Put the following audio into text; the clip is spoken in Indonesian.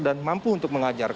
dan mampu untuk mengajarkan